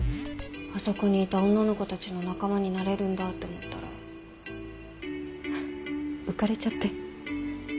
あそこにいた女の子たちの仲間になれるんだって思ったらフッ浮かれちゃって。